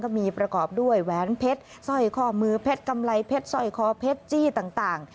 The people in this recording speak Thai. มีประกอบด้วยแหวนเพชรสร้อยข้อมือเพชรกำไรเพชรสร้อยคอเพชรจี้ต่าง